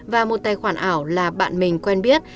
và một tài khoản ảo là bạn mình quen biết